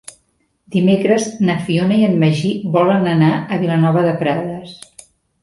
Dimecres na Fiona i en Magí volen anar a Vilanova de Prades.